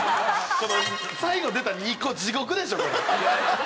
この最後出た２個地獄でしょこれ。